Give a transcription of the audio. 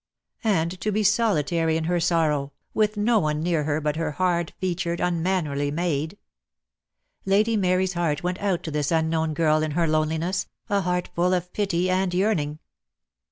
And to be solitary in her sorrow, with no one near her but her hard featured, unmannerly maid! Lady Mary's heart went out to this unknown girl in her loneliness, a heart full of pity and yearning.